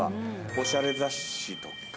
おしゃれ雑誌とか。